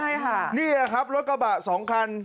นี่แหละครับรถกระบะ๒คัน